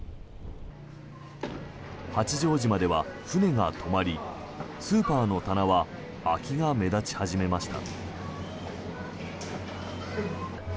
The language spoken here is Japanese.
八丈島では船が止まりスーパーの棚は空きが目立ち始めました。